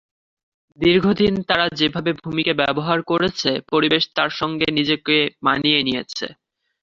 দীর্ঘদিন তারা যেভাবে ভূমিকে ব্যবহার করেছে, পরিবেশ তার সঙ্গে নিজেকে মানিয়ে নিয়েছে।